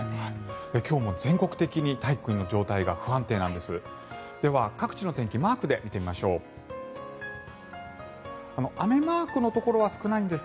今日も全国的に大気の状態が不安定なんです。